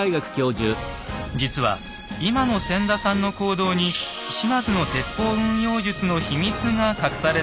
実は今の千田さんの行動に島津の鉄砲運用術の秘密が隠されているといいます。